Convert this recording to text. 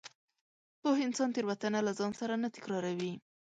پوه انسان تېروتنه له ځان سره نه تکراروي.